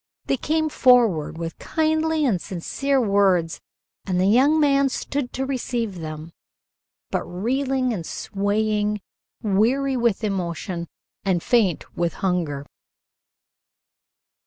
They all came forward with kindly and sincere words, and the young man stood to receive them, but reeling and swaying, weary with emotion, and faint with hunger.